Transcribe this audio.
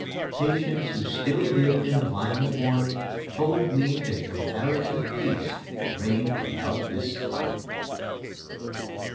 Patients who still lived in the violent ward told me that comparative peace reigned about this time.